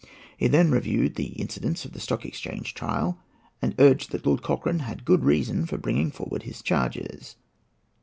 He then reviewed the incidents of the Stock Exchange trial, and urged that Lord Cochrane had good reason for bringing forward his charges.